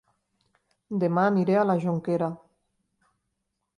Dema aniré a La Jonquera